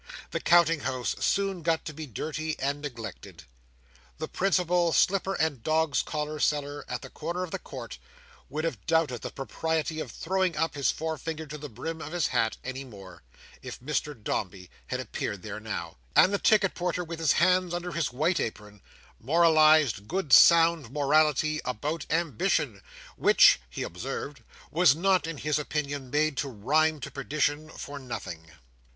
The Counting House soon got to be dirty and neglected. The principal slipper and dogs' collar seller, at the corner of the court, would have doubted the propriety of throwing up his forefinger to the brim of his hat, any more, if Mr Dombey had appeared there now; and the ticket porter, with his hands under his white apron, moralised good sound morality about ambition, which (he observed) was not, in his opinion, made to rhyme to perdition, for nothing.